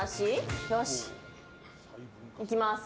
よし、いきます。